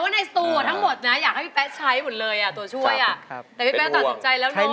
ไม่ใช้ครับไม่ใช้ครับ